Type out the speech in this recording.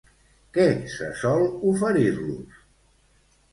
Què se sol oferir-los?